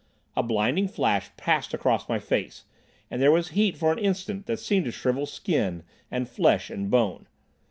A blinding flash passed across my face, and there was heat for an instant that seemed to shrivel skin, and flesh, and bone.